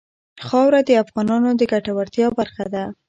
خاوره د افغانانو د ګټورتیا برخه ده.